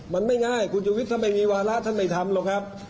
มันไม่ง่ายคุณชุวิตถ้าไม่มีวาระท่านไม่ทำหรอกครับ